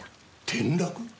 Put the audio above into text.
転落？